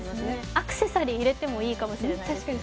アクセサリー入れてもいいかもしれないですね。